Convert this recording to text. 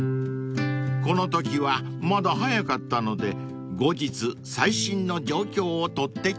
［このときはまだ早かったので後日最新の状況を撮ってきました］